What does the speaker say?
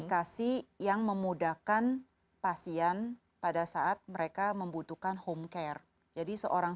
ini satu aplikasi yang memudahkan pasien pada saat mereka membutuhkan home care jadi seorang